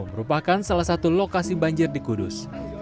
merupakan salah satu lokasi banjir di kudus